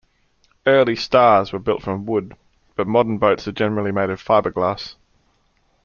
Early Stars were built from wood, but modern boats are generally made of fiberglass.